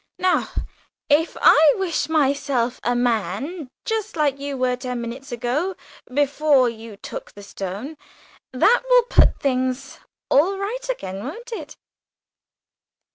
Now, if I wish myself a man just like you were ten minutes ago, before you took the stone, that will put things all right again, won't it?"